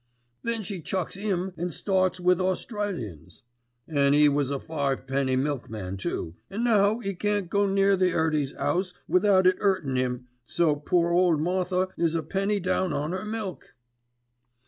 Then she chucks 'im an' starts with Australians; an' 'e was a fivepenny milkman too, an' now 'e can't go near the 'Earty's 'ouse without it 'urtin' 'im, so poor ole Martha is a penny down on 'er milk."